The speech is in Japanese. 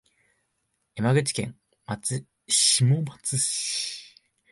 山口県下松市